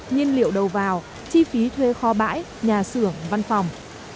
nhiên liệu đầu vào chi phí thuê kho bãi nhà xưởng văn phòng